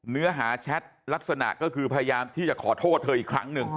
เนื้อหาแชทลักษณะก็คือพยายามที่จะขอโทษเธออีกครั้งหนึ่ง